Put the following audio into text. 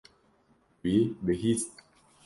Wî bihîst.